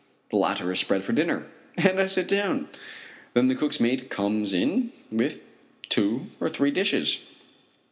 The latter is spread for dinner, and I sit down. Then the cook's mate comes in with two or three dishes.